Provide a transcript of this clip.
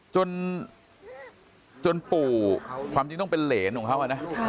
จนปู่ความจริงต้องเป็นเหรนของเขานะ